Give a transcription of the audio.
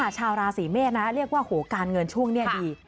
ชาวราศีเมษเรียกว่าการเงินช่วงนี้ดี